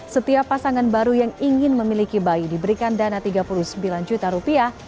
setiap pasangan baru yang ingin memiliki bayi diberikan dana tiga puluh sembilan juta rupiah